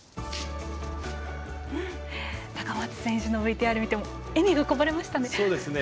高松選手のＶＴＲ見ても笑みがこぼれましたね。